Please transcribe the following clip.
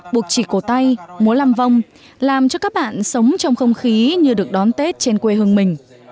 buộc chỉ cổ tay múa làm vong làm cho các bạn sống trong không khí như được đón tết trên quê hương mình